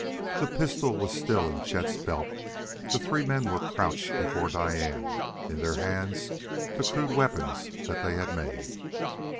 The pistol was still in Chet's belt; the three men were crouched before Diane, in their hands the crude weapons that they had made.